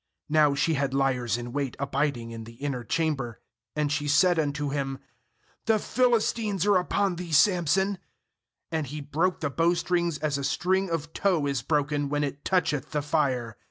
9Now she had liers in wait abiding in the inner chamber. And she said unto him: 'The Philistines are up on thee, Samson.' And he broke the bowstrings as a string of tow is broken when it toucheth the fire.